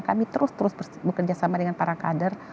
kami terus terus bekerjasama dengan para kader